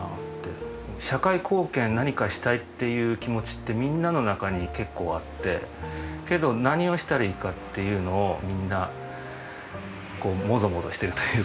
社会貢献何かしたいっていう気持ちってみんなの中に結構あってけど何をしたらいいかっていうのをみんなモゾモゾしてるというかわからない。